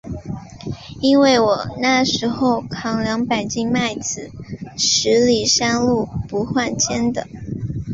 因为我那时候，扛两百斤麦子，十里山路不换肩的。